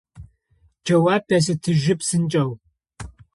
Джэуап ясэтыжьы псынкӏэу…